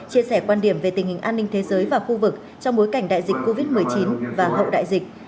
chia sẻ quan điểm về tình hình an ninh thế giới và khu vực trong bối cảnh đại dịch covid một mươi chín và hậu đại dịch